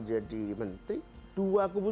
jadi mentri dua kubus